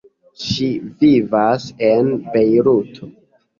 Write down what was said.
Ŝi vivas en Bejruto.